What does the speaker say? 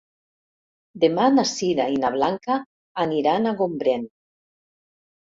Demà na Sira i na Blanca aniran a Gombrèn.